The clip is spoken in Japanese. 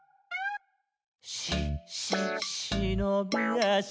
「し・し・しのびあし」